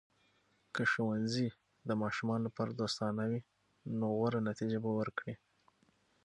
که ښوونځي د ماشومانو لپاره دوستانه وي، نو غوره نتیجه به ورکړي.